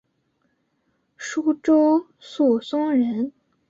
舒州宿松人。